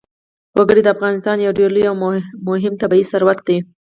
وګړي د افغانستان یو ډېر لوی او مهم طبعي ثروت دی.